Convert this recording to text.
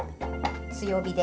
強火で。